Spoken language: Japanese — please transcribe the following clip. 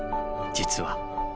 実は。